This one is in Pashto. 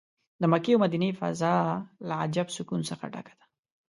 د مکې او مدینې فضا له عجب سکون څه ډکه ده.